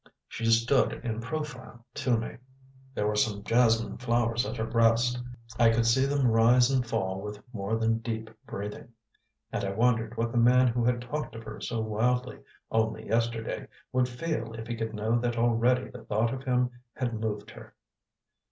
She stood in profile to me; there were some jasmine flowers at her breast; I could see them rise and fall with more than deep breathing; and I wondered what the man who had talked of her so wildly, only yesterday, would feel if he could know that already the thought of him had moved her.